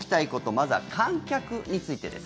まずは観客についてです。